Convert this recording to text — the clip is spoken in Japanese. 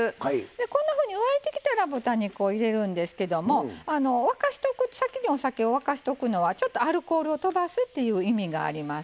こんなふうに沸いてきたら豚肉を入れるんですけども沸かしておく先にお酒を沸かしておくのはちょっとアルコールをとばすっていう意味があります。